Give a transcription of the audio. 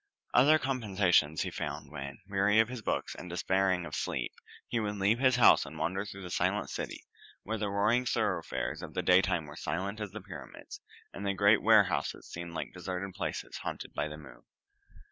Other compensations he found when, weary of his books and despairing of sleep, he would leave his house and wander through the silent city, where the roaring thoroughfares of the daytime were silent as the pyramids, and the great warehouses seemed like deserted palaces haunted by the moon.